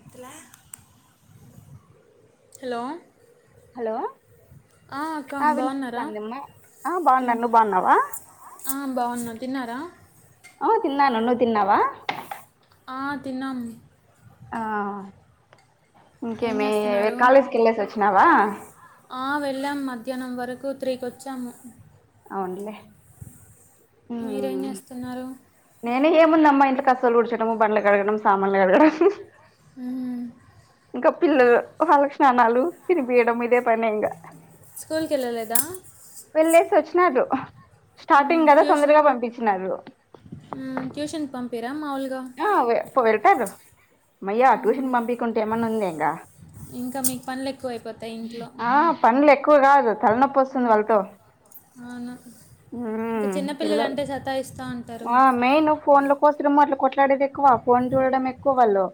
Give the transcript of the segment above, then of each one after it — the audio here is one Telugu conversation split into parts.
ఎత్తలా లో హలో అక్క ఆ బాగున్నారా వినిపిస్తాంది అమ్మా ఆ బాగున్నా నువు బాగున్నావా ఆ బాగున్నా తిన్నారా ఆ తిన్నాను నువు తిన్నావా ఆ తిన్నాం ఆ ఏం ఇంకేమి చేస్తున్నారు కాలేజ్‌కి ఎళ్ళేసి వచ్చినావా ఆ వెళ్ళాం మధ్యాహ్నం వరకు త్రీకి వచ్చాము అవునులే మీరేం చేస్తున్నారు నేనే ఏముందమ్మా ఇంట్లో కసువులు ఊడ్చడము బండ్లు కడగడం సామాన్లు కడగడం ఉమ్మ్ ఇంకా పిల్లలు వాళ్ళకు స్నానాలు తినిపియడం ఇదే పనే ఇంగా స్కూల్‌కి ఎళ్ళలేదా వెళ్ళేసి వచ్చినారు స్టార్టింగ్ కదా తొందరగా పంపిచినారు ఉమ్మ్ ట్యూషన్‌కి పంపిరా మాములుగా ఆ వె పొవెళ్తారు మయ్యా ట్యూషన్‌కి పంపియకుంటే ఏమన్నా ఉందా ఇంకా ఇంకా మీకు ప నులు ఎక్కువ అయిపోతాయి ఇంట్లో ఆ పనులు ఎక్కువ కాదు తలనొప్పి వస్తుంది వాళ్ళతో అవును ఇంకా ఉమ్ చిన్నపిల్లలంటే సతా ఇస్తా ఉంటారు మెయిను ఫోన్ల కోసరం అట్లా కొట్లాడేది ఎక్కువ ఫోన్ చూడడం ఎక్కువ వాళ్ళు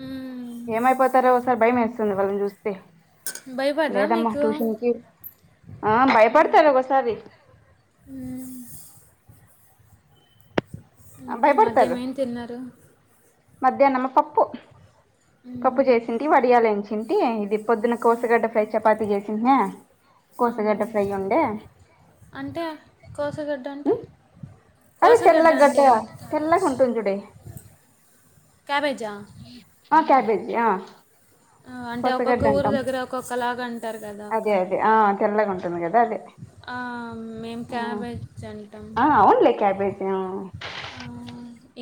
మ్మ్. ఏమైపోతారో ఓసారి భయం వేస్తుంది వాళ్ళని చూస్తే భయపడరా లేదమ్మా మీకు ట్యూషన్‌కి ఆ భయపడతారు ఒక్కోసారి మ్మ్. ఇంకేమి మధ్యాహ్న ఏం తిన్నారు మధ్యాహ్నం పప్పు పప్పు మ్మ్. చేసింటి వడియాలు ఎయించింటి ఇది పొద్దున కోసగడ్డ ఫ్రై చపాతి చేసింటినా అవునా కోసగడ్డ ఫ్రై ఉండే అంటే కోసగడ్డ అంటే అదే కోసగడ్డ తెల్లగడ్డ అంటే ఏంటి తెల్లగా ఉంటుంది చుడి క్యాబేజా ఆ క్యాబేజీ ఆ ఆ అంటే ఒక్కొక్క కోసగడ్డ ఊరు అంటాం దగ్గర ఒక్కొక్కలాగా అంటారు కదా అక్క అదే అదే ఆ తెల్లగా ఉంటుంది కదా అదే ఆ మేం క్యాబేజ్ అంటాం ఆ అవునులే క్యాబేజీ ఆ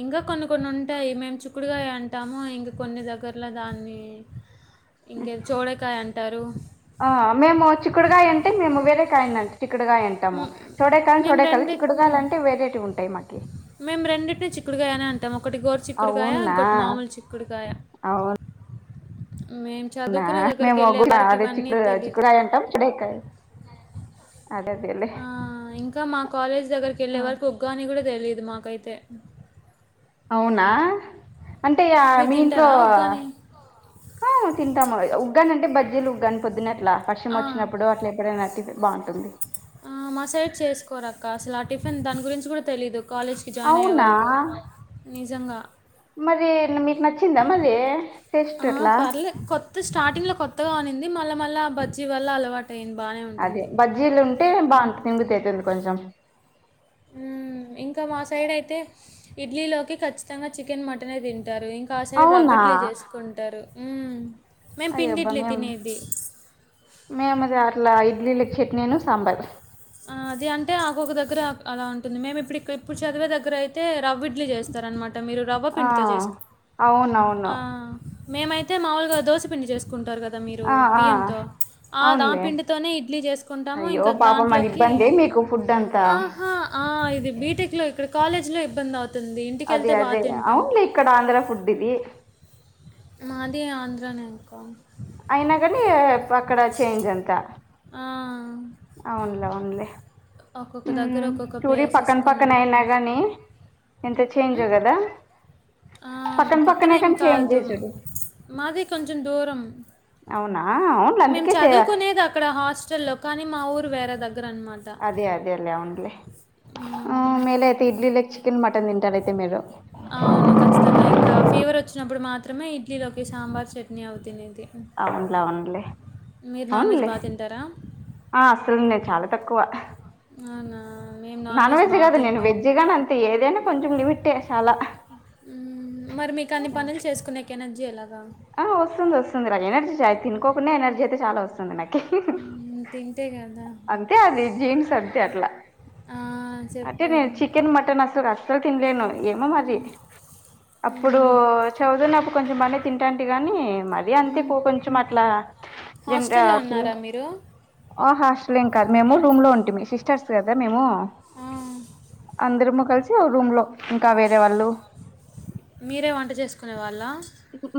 ఇంకా కొన్ని కొన్ని ఉంటాయి మేము చిక్కుడుకాయ అంటాము ఇంకా కొన్ని దగ్గర్లో దాన్ని ఇంకే చోడేకాయ అంటారు ఆ మేము చిక్కుడుకాయ అంటే మేము వేరే కాయనం చిక్కుడుకాయ అని టము మ్, చొడేకాయని మేము చొడేకాయల రెండింటిని చిక్కుడుకాయలు అంటే వేరేటివి ఉంటాయి మాకి మేము రెండింటినీ చిక్కుడుకాయనే అంటాం ఒకటి గోరు చిక్కుడుకాయ అవునా ఇంకోటి మాముూలు చిక్కుడుకాయ అవునా మేము చదువుకునే దగ్గరికి మేము ఎళ్ళే కూడా వరకి అదే ఇవన్నీ చిక్కుడు తెలీదు చిక్కుడుకాయ అంటాం చూడేకాయ్ అదేదేలే ఆ, ఇంకా మా కాలేజ్ దగ్గరికి ఎళ్ళే వరకు ఉగ్గాని కూడా తెలిదు మాకైతే అవునా అంటే ఇగ మీరు మీ ఇంట్లో తింటారా ఉగ్గాని ఆ తింటాము ఉగ్గాని అంటే బజ్జీలు ఉగ్గాని పొద్దున అట్ల వర్షం ఆ, వచ్చినప్పుడు అట్ల ఎప్పుడైనా టిఫి బాగుం టుంది ఆ మసైడ్ చేసుకోరాక్క అసలు ఆ టిఫిన్ దాని గురించి కూడా తెలీదు కాలేజ్ ఇజాయిన్ అయ్యే అవునా వరకు నిజంగా మరి మీకు నచ్చిందా మరి టేస్ట్ ఆ అట్లా పర్లే కొత్త స్టాటీంగ్ లో కొత్తగా ఉనింది మళ్ళా మళ్ళ ఆ బజ్జీ వల్ల అలవాటయింది బానే అదే బజ్జీలు ఉంటే బా అంత తింగతతుంది కొంచెం హ్మ్ ఇంకా మా సైడ్ అయితే ఇడ్లీ లోకి కచ్చితంగా చికెన్ మటనే తింటారు ఇం కా సైడ్ అవునా రవిడ్లీ చేసుకుంటారు హ్మ్ అయ్య అబ్బా మేం మేము అట్లా ఇడ్లీలు చట్నీను సాంబార్. అది అంటే ఆకొకక దగ్గర అలా ఉంటుంది. మేము ఇప్పుడు ఇక్ ఇప్పుడు చదివే దగ్గర అయితే రవ్విడ్లీ చేస్తార అనమాట మీరు. రవ్వ ఆ పిండితో చేసుకు అవునవును ఆ మేమైతే మాముూలుగా దోశపిండి చేసుక కుంటారు కదా మీరు ఆ ఆ బియ్యంతో ఆ అవునులే దాపిండితోనే ఇడ్లీ చేసుకుంటాము ఇంకా దాంట్లో ఇబ్బంది మీకు ఫుడ్ అంతా హా ఆ ఇది బీటెక్ లో ఇక్కడ కాలేజ్ లో ఇబ్బంది అవుతుంది. అదే ఇంటికెళ్తే బాగా అదే తింటాం. అవునులే ఇక్కడ ఆంధ్ర ఫుడ్ ఇది మాది ఆంధ్రనెంకా అయినా కానీ ప అక్కడ చేంజ్ అంత ఆ అవున్లే అవున్లే ఒక్కొక్క ఊ దగ్గర ఒక్కొక్క చూడి ప్లేసెస్ పక్కన కొన్ని పక్కనే అయినా డిఫరెన్స్ గానీ ఎంత చేంజో కదా ఆ పక్కన పక్కనే ఏం కానీ కాదు చేంజే చూడు మాది కొంచెం దూరం అవునా అవు మేము చదువుకునేది అక్కడ హాస్టల్లో కానీ మా ఊరు వేరే దగ్గర అన్నమా ఆ హ్మ్. మేలయితే ఇడ్లీ ల చికెన్ మటన్ తింటారు అయితే మీరు అవును ఖచ్చితంగా ఇంకా ఫీవర్ వచ్చినప్పుడు మాత్రమే ఇడ్లీలోకి సాంబార్ చట్నీ అవు తినెది అవునులే అవునులే నాన్ వెజ్ అవునులే బా తింటారా? ఆ అసలు నే చాలా తక్కువ వ్ నా మేము నాన్ వెజ్ బాగా తింటాం జగమ్ అంతే ఏదైనా కొంచెం లిమిటే చాలా ఉ మరి మీకు అన్ని పనులు చేసుకునే కెనర్జీ ఎలాగా ఆ వస్తుంది వస్తుంది నాకు ఎనర్జీ చ తినుకోకుండా ఎనర్జీ అయితే చాలా వస్తుంది నా హ్మ్ తింటే గదా! అంతే అది జీన్స్ అంతే అట్లా ఆ! అంటే నె చెప్పారు. చికెన్ మటన్ అస్సలు స్సలు తినలేను ఏమో మరి అప్పుడు హ్మ్. చావుదు నాకు కొంచెం మనెఏ తింటంటే గాని మరి అంతే హ్మ్. పో కొంచం అట్లా తింటా హాస్టల్‌లో అస్సలు ఉన్నారా మీరు? ఆ హాస్టల్ ఏం కాదు మేము రూమ్ లో ఉంటిమీ సిస్టర్స్ కదా మేము. ఆ, అందరము కలిసి ఓ రూమ్ లో ఇంకా వేరే వాళ్ళు మీరే వంట చేసుకునే వాళ్ళ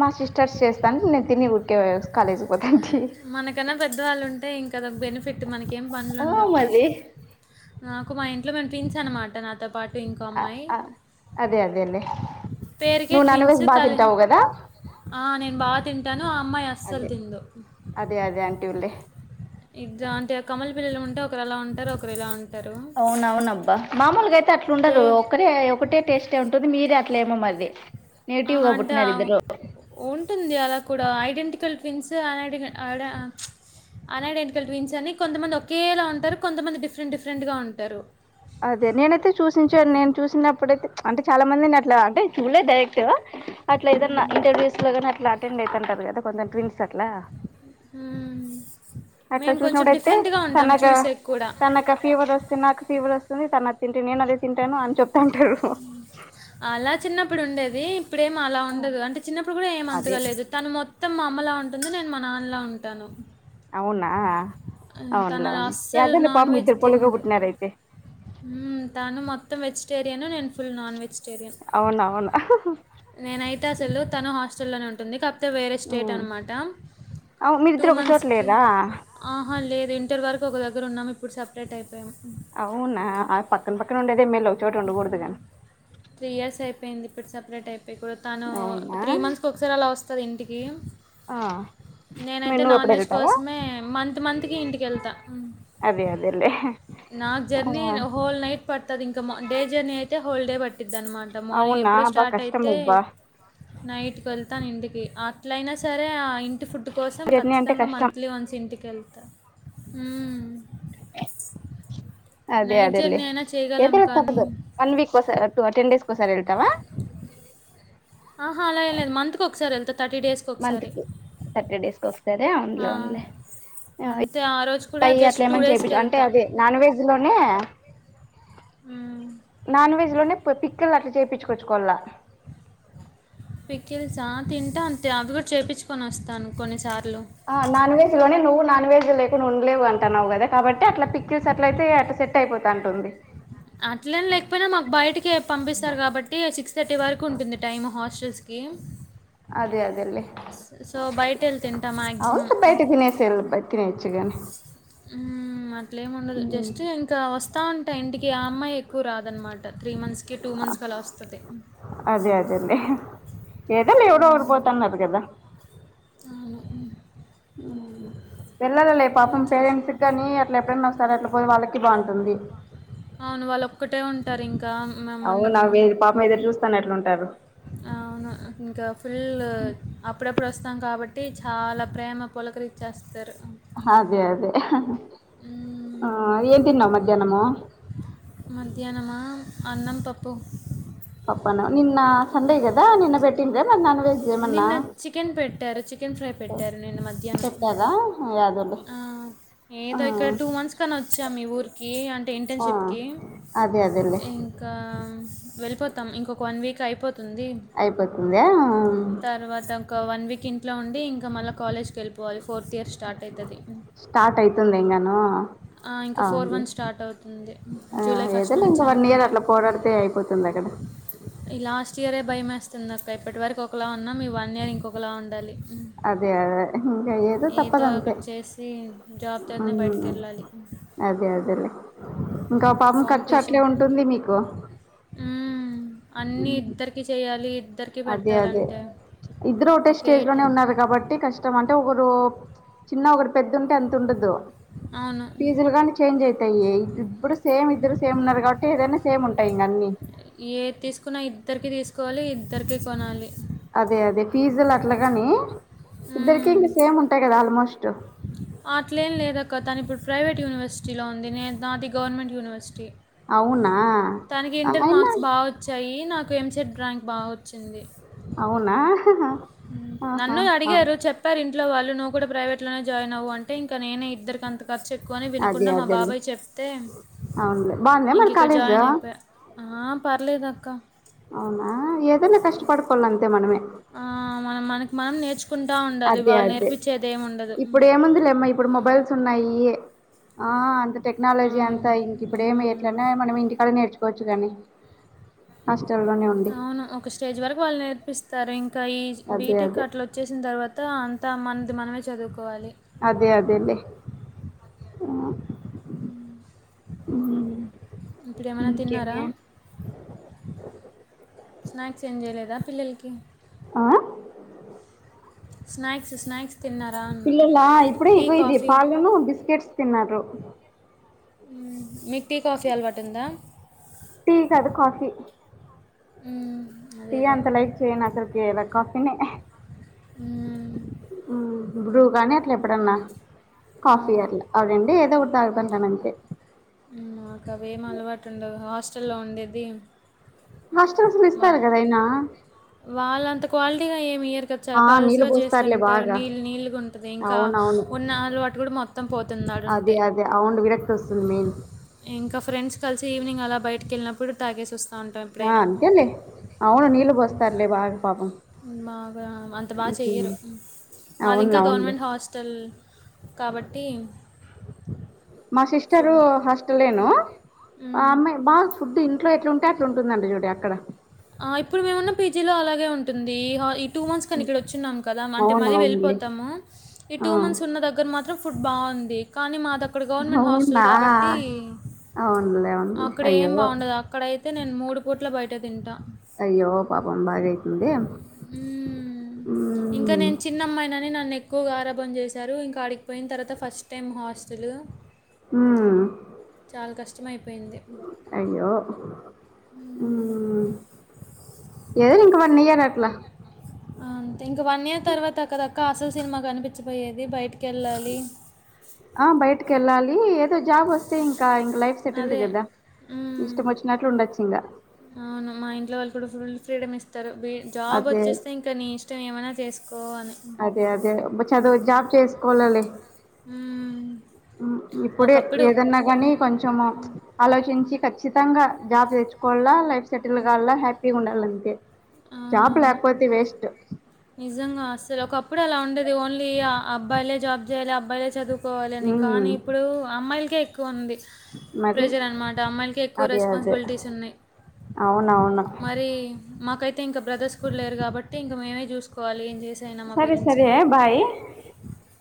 మా సిస్టర్స్ చేస్తాను నేను తిని ఉరికే వె కాలేజ్కి పోతానికి. మనకన్నా పెద్దవాళ్ళు ఉంటే ఇంకా అదొ బెనిఫిట్ మనకేం పనులు ఉండవు. నాకు మా ఇంట్లో మేము ట్విన్స్ అనమాట నాతో పాటు ఇంకో అ అమ్మాయి అ అదే అదే లె పేరుకే నువ్ నాన్ ట్విన్స్ వెజ్ బాగ కలి తింటావు గాద ఆ నేను బాగా తింటాను ఆ అమ్మాయి అస్సలు అదే తిందు. అదే అదే ఆంటివిలే ఇద్ద అంటే కమల పిల్లలు ఉంటే ఒకరు అలా ఉంటారు ఒకరు ఇలా ఉం అవున అవునబ్బా మామూలుగా అయితే పే అట్లుండరు ఒకటే ఒకటే టేస్ట్ ఉంటే ఉంటుంది మీరే అట్లే ఏమో మరిది నెగిటివ్ ఆహా, గా అంటే పుట్నరు ఆ- ఇద్దరు ఉంటుంది అలా కూడా ఐడెంటికల్ ట్విన్స్ ఐడెంటికల్ ఐడ అన్ ఐడెంటికల్ ట్విన్స్ అని కొంతమంది ఒకేలా ఉంటారు కొంతమంది డిఫరెంట్ డిఫరెంట్ గా ఉంటారు అదే నేనైతే చూసించాను నేను చూసినప్పుడైతే అంటే చాలా మందిని అట్లా అంటే చూడలేదు డైరెక్ట్ అట్లా ఏదన్నా మ్మ్. ఇంటర్వ్యూస్ లోగాని అట్లా అటెండ్ అయితుంటారు కదా కొంచెం ట్విన్ట్స్ అట్లా హ్మ్ అట్లా చూసినప్పుడుయితే తనగా కూడా తనక ఫీవర్ ఓస్ స్తే నాకు ఫీవర్ వస్తుంది తను అది తింటే నేను అదే తింటాను అని చెప్తుంటారు అలా చిన్నప్పుడు ఉండేది ఇప్పుడేమి అలా ఉండదు అంటే చిన్నప్పుడు కూడా ఏం అదే అంతగాలేదు తను మొ త్తం మా అమ్మలా ఉంటుంది నేను మా నాన్నలా ఉంటాను అవునా ఆ, తను అవున్లేయవున్లే అదే లే పాపం ఇద్దరు పొలుగబుట్నారయితే తాను మొత్తం వెజిటేరియను నేను ఫుల్ నాన్ వెజిటేరియన్ అవునవునా నేనయితే అసలు తను హాస్టల్లోనే ఉంటుంది కాప్ తే వేరే స్టేట్ ఉమ్. అనమాట అవు టూ మీరిద్దరు ఒక చోట మంత్స్కి లేరా ఆహా లేదు ఇంటర్ వరకు ఒక దగ్గర ఉన్నాం ఇప్పుడు సపరేట్ అయిపోయాం అవునా పక్కన పక్కన ఉండేదమ్మాయిలు ఒక చోట ఉండకూడదు గా త్రీ ఇయర్స్ అయిపోయింది ఇప్పుడు సపరేట్ అయిపోయి తను త్రీ అవునా మంత్స్కి కోస్ సారి అలా వస్తది ఇంటికి ఆ మీ నేనైతే నువ్వు నాన్ అప్పుడు వెజ్ వెళ్తావా కోసమే మంత్ మంత్ కి ఇంటికేళ్తా అదే అదేలే నాకు ఆ జర్నీ హోల్ నైట్ పడుతది ఇంకా డే జర్నీ అయితే హోల్ డే పడ్ ట్టిద్దన్మట మార్నింగ్ అవునా ఎప్పుడో అబ్బా స్టార్ట్ కష్టం అయితే అబ్బా నైట్కి వెళ్తాను ఇంటికి అట్లయినా సరే ఆ ఇంటి ఫుడ్ డు కోసం జర్నీ అంటే ఖచ్చితంగా కష్టం మంత్లీ వన్స్ ఇంటికేళ్తా అదే నైట్ అదేలే జర్నీ అయినా చేయగలం ఏదైనా కానీ తప్పదు వన్ వీక్కోసారి టెన్ డేస్కోసారి వెళ్తావా ఆహా అలా ఏం లేదు మంత్కి ఒకసారి వెళ్త థర్టీ డేస్ మంత్ కి థర్టీ డేస్ కోస్ సరే అవున్లే ఆ. అవున్లే అంతే ఆ రోజు కూడా అవి జస్ట్ టూ అట్లేమని డేస్కి చేపించు అంటే వెళ్తా అదే నాన్ వెజ్ లోనే మ్మ్. నాన్ వెజ్ లోనే పొద్దిక్ కేల్ అట్లా చెప్పించుకొచ్చుకోవాళ్ళ పిక్కెల్సా తింటాను అంటే అవి కూడా చూపించుకొని వస్తాను కొన్నిసార్లు ఆ నాన్ వెెజ్ లోనే నువ్వు నాన్వెజ్ లేకుండా ఉండలేవు అంటున్నావు కదా కాబట్టి అట్లా పక్కిల్స్ అట్ల అయితే అట్ట సెట్ అయిపోతంటుంది అట్లెం లేకపోయినా మాకు బయటికి పంపిస్తారు కాబట్టి సిక్స్ థర్టీ వరకు ఉంటుంది టైం హాస్టల్స్కి అదే అదేలే సో బయట వెళ్ళి తింటా అవుంత మ్యాక్సిమం బయట తినే సేల్ బట్ తినేయొచ్చుగానే ఉ అట్లేముండదు జస్ట్ ఇంకా వస్తా ఉంటా ఇంటికి ఆ అమ్మాయి ఎక్కువ రాదనమాట త్రీ మంత్స్కి కీ టూ మంత్స్ కలా వస్తది అదే అదేలే ఏదోలే ఎవరోగరు పోతుండారూ గదా అవును వెళ్లాలలే ఏం పాపం పేరెంట్స్ చేసేది గాని అట్ల ఎప్పుడైనా ఒక సారి అట్లా పోయి వాళ్ళకి బాగుంటుంది అవును వాళ్ళు ఒక్కటే ఉంటారు ఇంకా మేము అవునా ఉండము వి పాపం ఎదురు చూస్తానా ఎట్లుంటారు ఆ అవును ఇంకా ఫుల్ అప్పుడప్పుడు వస్తాం కాబట్టి చాలా ప్రేమ పులకరి ఇచ్చేస్తారు అదే అదే ఆ ఏం తిన్నావ్ మధ్యాహ్నము మధ్యాహ్నమా అన్నం పప్పు పప్పన నిన్న సండే కదా నిన్న పెట్టిండ్రా నాన్ వెజ్ ఏమన్నా నిన్న చికెన్ పెట్టారు చికెన్ ఫ్రై పెట్టారు నేను మధ్యాహ్నం పెట్టారా యాదోలే ఆ ఏదో ఇక్కడ టూ మంత్స్ పక్కన వచ్చా మీ ఊరికి అంటే ఆ ఇంటర్న్షప్కి అదే అదేలే ఇంకా వెళ్ళిపోతాం ఇంకొక వన్ వీక్ అయిపోతుంది అయిపోతుందా తరువాత ఒక వన్ వీక్ ఇంట్లో ఉండి ఇంకా మళ్ళా కాలేజ్ వెళ్ళిపోవాలి ఫోర్త్ ఇయర్ స్టార్ట్ అయితది స్టార్ట్ అయితుంది ఇంగాను ఇంకా ఆ ఫోర్ అండి వన్ స్టార్ట్ అవుతుంది ఆ జూలై ఫస్ట్ ఏదోలే ఇంక నుంచి వన్ ఇయర్ అనుకుంటా అట్లా పోరాడితే అయిపోతుంది అక్కడ ఈ లాస్ట్ ఇయరే భయంమేస్తుంది అక్క ఇప్పటివరకు ఒకలా ఉన్నాం మీ వన్ ఇయర్ ఇంకొకలా ఉండాలి అదే అదే అ ఏదు ఏదో తప్పదంతే ఒకటి చేసి జాబ్ హ తోనే బయటకు వెళ్ళాలి అదే అదేలే ఇంకా పాపం ఖర్చు అట్లే ఉంటుంది మీకు ఉ అన్ని ఇద్దరికి చెయ్యాలి ఇద్దరి అదే అదే ఇద్దరు ఒకటే ఒకే స్టేజ్ లోనే టైం ఉన్నారు కాబట్టి కష్ట అంటే ఒకరు చిన్న ఒకరు పెద్ద ఉంటే అంత ఉండదు అవును ఫీజులు కాని చేంజ్ అయితాయి ఇప్పుడు సేమ్ ఇద్దరు సేమ్ ఉన్నారు కాబట్టి ఏదైనా సేమ్ ఉంటాయి ఇంకా అన్ని ఏది తీసుకున్నా ఇద్దరికిీ తీసుకోవాలి ఇద్దరికీ కొనాలి అదే అదే ఫీజులు అట్లా కాని ఇద్దరిక మ్మ్. ఇంకా సేమ్ ఉంటాయి కదా ఆల్మోస్ట్ అట్లేం లేదక్క తను ఇప్పుడు ప్రైవేట్ యూనివర్సిటీలో ఉంది నేను నాది గవర్నమెంట్ యూనివర్సిటీ అవునా తనకి ఇంటర్ అయినా మార్క్స్ బాగా వచ్చాయి నాకు ఎంసెడ్ ర్యాంక్ బాగా వచ్చింది అవునా ఆహా నన్ను ఆ అడిగారు చెప్ప చెప్పారు ఇంట్లో వాళ్ళు నువ్వు కూడా ప్రైవేట్ లోనే జాయిన్ అవ్వు అంటే ఇంకా నేనే మరి ఇద్దరికీ అంత ఖర్చు ఎక్కువ అని అదే వినకుండా మా అదేలే బాబాయ్ చెప్తే అవునులే బాగుందా ఇంక మన ఇక్కడ కాలేజ్ జాయిన్ అయిపోయా ఆ పర్లేదు అక్క అవునా ఏదన్నా కష్టపడి పోవాలంటే మనమే ఆ మన మనకి మనం నేర్చుకుంటా ఉండాలి వాళ్ళు నేర్పించేది ఏమి ఉండదు ఏముందిలేమ్మా ఇప్పుడు మొబైల్స్ ఉన్నాయి అంత ఆ, టెక్నాలజీ అంతా ఇంక ఇప్పుడ ఏమ ఉమ్. ఇట్లనే మనం ఇంటికాడ నేర్చుకోవచ్చు కనే హాస్టల్లోనే ఉండి అవును. ఒక స్టేజ్ వరకు వాళ్ళు నేర్పిస్తారు ఇంకా ఈ అదే బీటెక్ అదే అట్ లో వచ్చేసిన తర్వాత అంతా మనది మనమే చదువుకోవాలి అదే అదేలే ఇప్పుడు ఏమైనా తిన్నారా స్నాక్స్ ఏం చేయలేదా పిల్లలకి ఆ స్న్యాక్స్ స్న్యాక్స్ తిన్నరా పిల్లలా ఇప్పుడే ఈగో ఇది పాలను బిస్కెట్స్ తిన్నారు ఊ మీకు టీ కాఫీ అలవాటు ఉందా టీ కాదు కాఫీ హ్మ్. టీ అదేదో అంత ఒకటి. లైక్ చేయ్యను అసలుకిలా కాఫీని హుహ్ ఉ బ్రూగణేత్ ఎప్పుడన్నా ఆ! కాఫీ అట్లా అవురండి ఏదో ఒకటి తాగుతా ఆన్ అంతే హుమ్మ్ మాకు అవేం అలవాటు ఉండదు హాస్టల్లో ఉండేది. మాస్టర్ లిస్తార్ వ గాదైనా వాళ్ళంత క్వాలిటీగా ఏమి ఇయర్ గ చాలా ఆ నీళ్ళు పల్సగా పోస్తారులే జేస్తుంటారు. బాగా నీళ్ళ నీళ్ళుగా ఉంటది. ఇంకా అవునవును ఉన్న అలవాటు కూడా మొత్తం పోతుందాడుంటే తే అవునడ్ విరక్త వస్తుంది మెయిన్. ఇంకా ఫ్రెంస్ కలిసి ఈవినింగ్ అలా బయటికి ఏళ్ళినప్పుడు తాగే వస్త్. ఆ అంతేలే అవును నీళ్ళు బోస్తారులే బాగా పాపం. మా బా అంత బాగా చెయ్యరు అవును మాదింకా అవునులే గవర్నమెంట్ హాస్టల్. కాబట్టి మా సిస్టరు హస్టలేను ఆ మ్, అమ్మాయి బాగ్ ఫుడ్ ఇంట్లో ఎట్లుంటే అట్లాంటుందండి జూడి అక్కడ ఆ ఇప్పుడు మేమున్నా పీజీ లో అలాగే ఉంటుంది హా ఇప్ టూ మంత్స్ కాని ఇక్కడ వచ్చిన్నాం కదా అంటే అవును మళ్ళీ అవునులే వెళ్ళిపోతాము ఈ ఆ టూ మంత్స్ ఉన్న దగ్గర మాత్రం ఫు హుడ్ బావుంది కానీ మా దగ్ అక్కడ గవర్నమెంట్ హాస్టల్ అవునా గాబట్టి అవునులే అవునులే అక్కడ ఏం అయ్యో బావుండాద్ అక్ అక్కడైతే నేను మూడు పూట్ల బయట తింటా. అయ్యో పాపం బాగై ఇంకా మ్మ్ నేను చిన్నమ్మాయినని నన్ ఏక్ కు ఆరభం చేశారు. ఇంకా ఆడిగిపోయిన తర్వాత ఫస్ట్ టైం హాస్టలు.. హుమ్మ్ చాలా కష్టం అయిపోయింది. అయ్యో హుమ్మ్ ఏదో లింక్ బ నియారట్లా మవ్ ఆ అంతే ఇంకా వన్ ఇయర్ తర్వాత కదా అక్క అసలు సినిమా కనిపించపోయేది బయటికి ఏళ్ళాలి. ఆ బయటికి ఏళ్ళాలి. ఏదో జాబ్ వస్తే ఇంకా ఇంక లైఫ్ సెటిల్డ్ అదే కదా మ్మ్. ఇష్టం వచ్చినట్లు ఉండొచ్చు ఇంగా. అవును మా ఇంట్లో వాళ్ళు కూడా ఫుల్ ఫ్రీడమ్ ఇస్తారు. జాబ్ అదే వచ్చేస్తే ఇంకా నీ ఇష్టం ఏమైనా చేస్ కో అని అదే అదే చదువు జాబ్ చేసుకోవాలలే ఉహ్మ్ ఉ ఇప్పుడే ఏదన్నా గానీ కొంచెము ఆలోచించి ఖచ్చితంగా జాబ్ దెచ్చుకోవలా లైఫ్ సెటిల్ గాల్లా హ్యాపీగా ఉండాలంతే. జాబ్ అవునవును లేకపోతే వేస్ట్ నిజంగా అసలు ఒకప్పుడు అలా ఉండేది. ఓన్లీ అబ్బాయిలే జాబ్ జేయ్యాలి అబ్బాయిలే చదువ్ కోవాలి అని ఉమ్ కానీ ఇప్పుడు అమ్మాయిలకే ఎక్కువ ఉంది. మరి ప్రెజర్ అనమాట అమ్మాయిలకే ఎక్కువ అదే అదే రెస్పాన్సిబిలిటీస్ ఉన్నాయ్. అవునవును. మరి మాకైతే ఇంకా బ్రదర్స్ కూడా లేరు గాబట్టి ఇంకా మీమే జూసుకోవాలి ఏం జేసైనా మా సరే పేరెంట్స్ని. సరే బాయ్